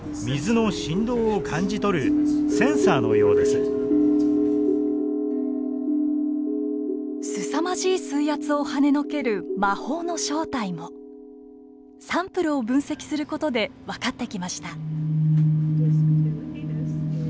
すさまじい水圧をはねのける魔法の正体もサンプルを分析する事で分かってきました。